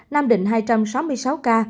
nam định hai trăm sáu mươi sáu ca